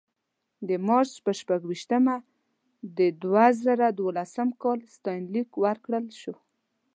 د مارچ په شپږمه د دوه زره دولسم کال ستاینلیک ورکړل شو.